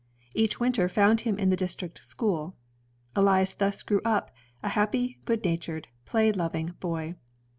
Each winter found him in the district school. Elias thus grew up, a happy, good natured, play loving boy.